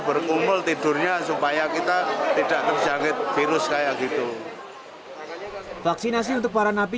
berkumul tidurnya supaya kita tidak terjangkit virus kayak gitu vaksinasi untuk para nabi